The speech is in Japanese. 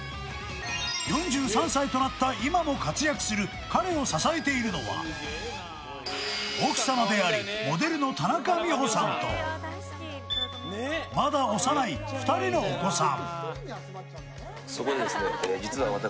４３歳となった今も活躍する彼を支えているのは奥様でありモデルでもある田中美保さんとまだ幼い２人のお子さん。